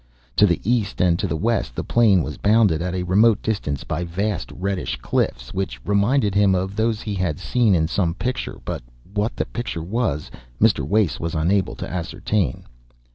To the east and to the west the plain was bounded at a remote distance by vast reddish cliffs, which reminded him of those he had seen in some picture; but what the picture was Mr. Wace was unable to ascertain.